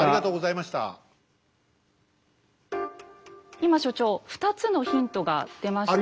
今所長２つのヒントが出ましたよね。